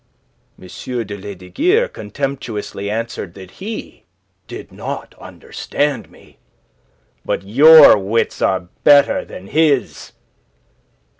M. de Lesdiguieres contemptuously answered that he did not understand me. But your wits are better than his.